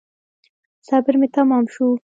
صبر مي تمام شو .